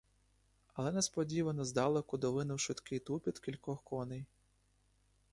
Але несподівано здалеку долинув швидкий тупіт кількох коней.